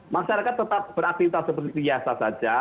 masyarakat tetap beraktivitas seperti biasa saja